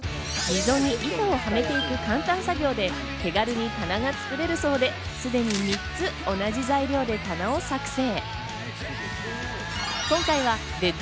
溝に板をはめていく簡単作業で手軽に棚が作れるそうで、すでに３つ同じ材料で棚を作成。